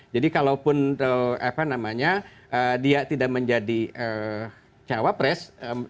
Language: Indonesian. jadi kalaupun dia tidak menjadi cawapres